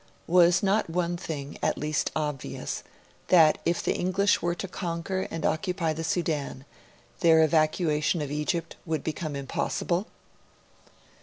Was not one thing, at least, obvious that if the English were to conquer and occupy the Sudan, their evacuation of Egypt would become impossible?